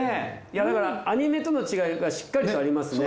だからアニメとの違いがしっかりとありますね。